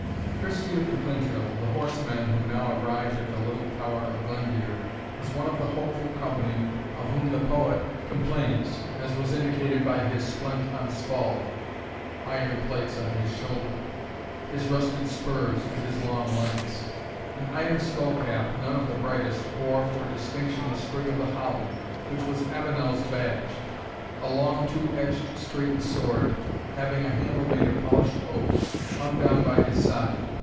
Christie of the Clinthill, the horseman who now arrived at the little Tower of Glendearg, was one of the hopeful company of whom the poet complains, as was indicated by his "splent on spauld," (iron plates on his shoulder,) his rusted spurs, and his long lance. An iron skull cap, none of the brightest, bore for distinction a sprig of the holly, which was Avenel's badge. A long two edged straight sword, having a handle made of polished oak, hung down by his side.